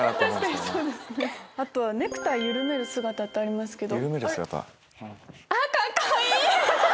あとは「ネクタイ緩める姿」ってありますけど。